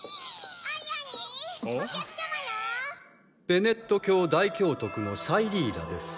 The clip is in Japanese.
ベネット教大教督のサイリーラです。